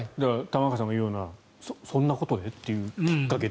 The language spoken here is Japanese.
玉川さんが言うようなそんなことで？というきっかけ。